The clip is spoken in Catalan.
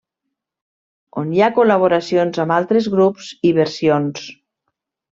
On hi ha col·laboracions amb altres grups i versions.